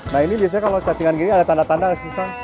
nah ini biasanya kalau cacingan gini ada tanda tanda gak sih kang